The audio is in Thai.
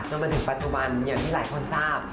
จนถึงปัจจุบันอย่างที่หลายคนทราบ